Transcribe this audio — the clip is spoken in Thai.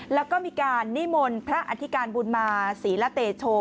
แล้วก็มีการนิมนต์พระอธิการบุญมาศรีละเตโช